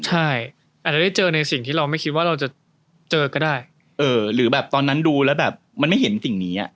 ใช่อาจจะได้เจอในสิ่งที่เราไม่คิดว่าเราจะเจอก็ได้หรือแบบตอนนั้นดูแล้วแบบมันไม่เห็นสิ่งนี้